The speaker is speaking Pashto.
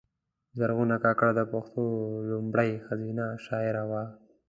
زرغونه کاکړه د پښتو لومړۍ ښځینه شاعره وه .